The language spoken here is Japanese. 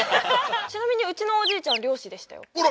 ちなみにうちのおじいちゃん猟師でしたよあら！